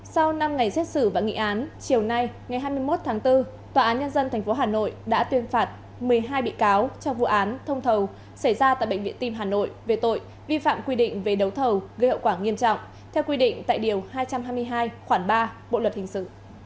sau năm ngày xét xử và nghị án chiều nay ngày hai mươi một tháng bốn tòa án nhân dân tp hà nội đã tuyên phạt một mươi hai bị cáo trong vụ án thông thầu xảy ra tại bệnh viện tim hà nội về tội vi phạm quy định về đấu thầu gây hậu quả nghiêm trọng theo quy định tại điều hai trăm hai mươi hai khoảng ba bộ luật hình sự